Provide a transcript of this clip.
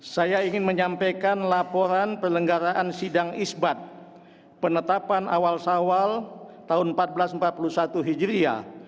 saya ingin menyampaikan laporan perlenggaraan sidang isbat penetapan awal sawal tahun seribu empat ratus empat puluh satu hijriah